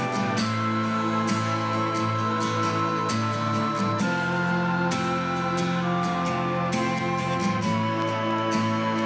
โปรดติดตามตอนต่อไป